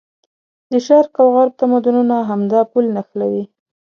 د شرق او غرب تمدونونه همدا پل نښلوي.